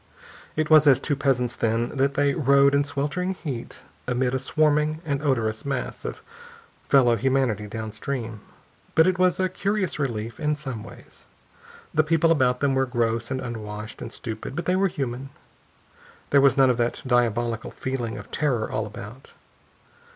It was as two peasants, then, that they rode in sweltering heat amid a swarming and odorous mass of fellow humanity downstream. But it was a curious relief, in some ways. The people about them were gross and unwashed and stupid, but they were human. There was none of that diabolical feeling of terror all about.